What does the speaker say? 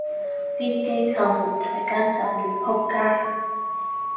啲機構越大間就越仆街